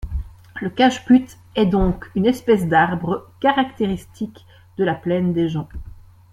Le cajeput est donc une espèce d’arbre caractéristique de la Plaine des Joncs.